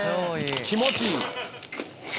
「気持ちいい」